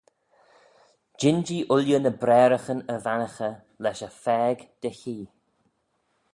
Jean jee ooilley ny braaraghyn y vannaghey lesh y phaag dy hee.